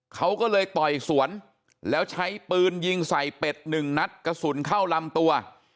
เขาก็เลยต่อยสวนแล้วใช้ปืนยิงใส่เป็ดหนึ่งนัดกระสุนเข้าลำตัว